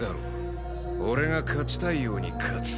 「俺が勝ちたいように勝つ」。